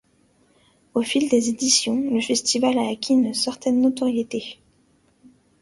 Au fil des éditions, le festival a acquis une certaine notoriété.